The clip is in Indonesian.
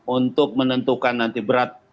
untuk menentukan nanti berat